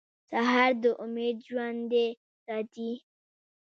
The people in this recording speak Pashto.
سهار د امید ژوندی ساتي.